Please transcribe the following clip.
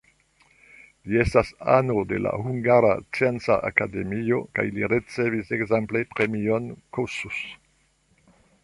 Li estis ano de Hungara Scienca Akademio kaj li ricevis ekzemple premion Kossuth.